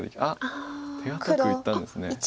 あっ手堅くいったんですね。